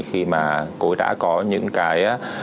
khi mà cô ấy đã có những cái